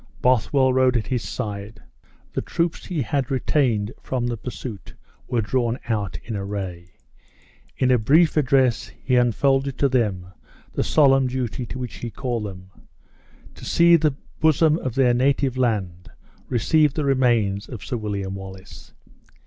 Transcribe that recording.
Bothwell rode at his side. The troops he had retained from the pursuit were drawn out in array. In a brief address he unfolded to them the solemn duty to which he had called them to see the bosom of their native land receive the remains of Sir William Wallace.